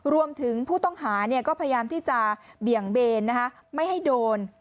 ผู้ต้องหาก็พยายามที่จะเบี่ยงเบนไม่ให้โดน